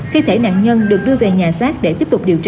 thi thể nạn nhân được đưa về nhà xác để tiếp tục điều trị